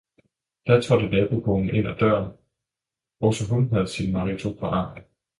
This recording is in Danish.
Da trådte nabokonen ind ad døren, også hun havde sin marito på armen.